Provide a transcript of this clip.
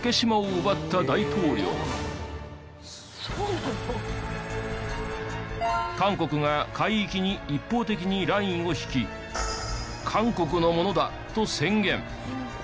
最初に韓国が海域に一方的にラインを引き韓国のものだと宣言。